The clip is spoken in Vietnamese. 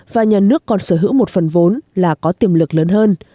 và nhà nước còn sở hữu một phần vốn là có tiềm lực lớn hơn